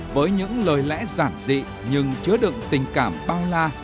với những lời lẽ giản dị nhưng chứa đựng tình cảm bao la